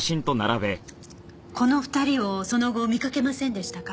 この２人をその後見かけませんでしたか？